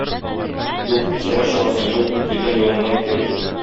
Юк, сиңа чыгасым юк, килгән юлыңнан кире кит.